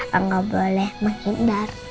papa gak boleh menghindar